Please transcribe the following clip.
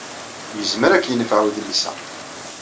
Yezmer ad k-yenfeɛ udlis-a.